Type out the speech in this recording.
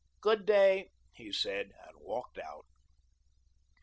"Good day," he said, and walked out.